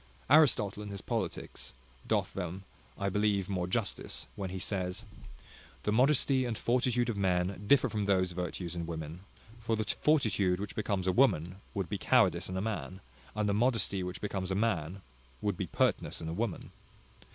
Aristotle, in his Politics, doth them, I believe, more justice, when he says, "The modesty and fortitude of men differ from those virtues in women; for the fortitude which becomes a woman, would be cowardice in a man; and the modesty which becomes a man, would be pertness in a woman."